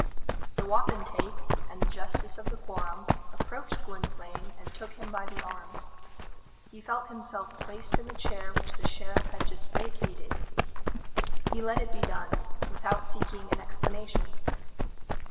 The wapentake and the justice of the quorum approached Gwynplaine and took him by the arms. He felt himself placed in the chair which the sheriff had just vacated. He let it be done, without seeking an explanation.